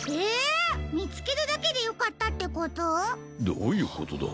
どういうことだ？